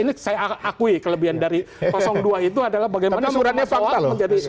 ini saya akui kelebihan dari dua itu adalah bagaimana suratnya soal menjadi fakta